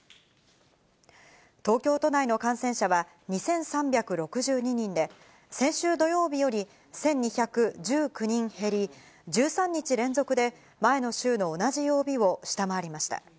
東京都内の感染者は２３６２人で、先週土曜日より１２１９人減り、１３日連続で前の週の同じ曜日を下回りました。